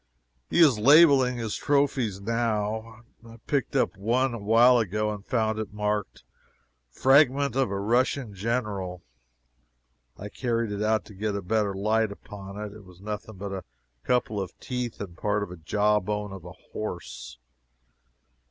He is labeling his trophies, now. I picked up one a while ago, and found it marked "Fragment of a Russian General." I carried it out to get a better light upon it it was nothing but a couple of teeth and part of the jaw bone of a horse.